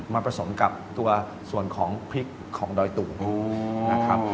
ผสมกับตัวส่วนของพริกของดอยตุงนะครับ